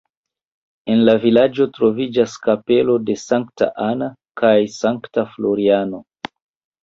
En la vilaĝo troviĝas kapelo de sankta Anna kaj sankta Floriano.